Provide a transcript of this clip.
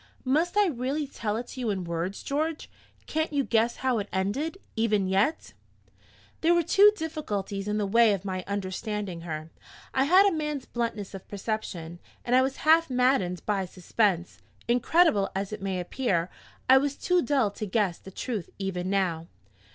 "Must I really tell it to you in words, George? Can't you guess how it ended, even yet?" There were two difficulties in the way of my understanding her. I had a man's bluntness of perception, and I was half maddened by suspense. Incredible as it may appear, I was too dull to guess the truth even now.